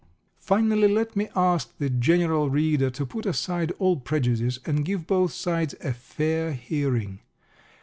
Finally, let me ask the general reader to put aside all prejudice, and give both sides a fair hearing.